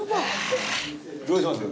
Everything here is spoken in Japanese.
どうします？